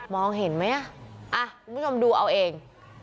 มองเห็นมั้ยอ่ะไม่ชอบดูเอาเอง